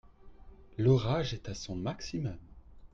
L'orage est à son maximum.